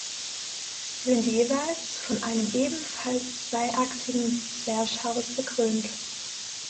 Sie sind jeweils von einem ebenfalls zweiachsigen Zwerchhaus bekrönt.